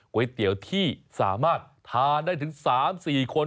ก๋วยเตี๋ยวที่สามารถทานได้ถึง๓๔คน